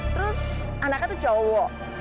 terus anaknya tuh cowok